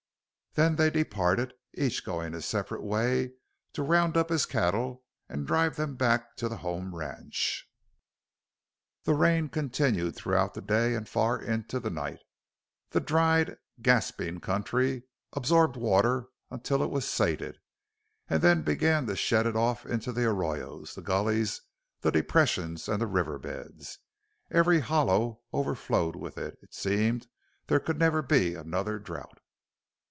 Then they departed, each going his separate way to round up his cattle and drive them back to the home ranch. The rain continued throughout the day and far into the night. The dried, gasping country absorbed water until it was sated and then began to shed it off into the arroyos, the gullies, the depressions, and the river beds. Every hollow overflowed with it; it seemed there could never be another drought.